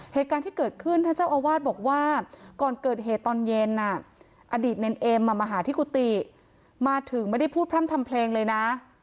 เหตุการณ์ที่เกิดขึ้นท่านเจ้าอาวาสบอกว่าก่อนเกิดเหตุตอนเย็นอดีตเนรเอ็มมาหาที่กุฏิมาถึงไม่ได้พูดพร่ำทำเพลงเลยนะ